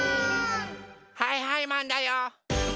はいはいマンだよ！